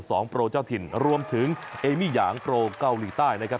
โปรเจ้าถิ่นรวมถึงเอมี่หยางโปรเกาหลีใต้นะครับ